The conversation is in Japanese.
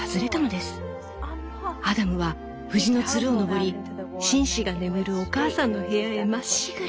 アダムは藤のつるを登り紳士が眠るお母さんの部屋へまっしぐら！」。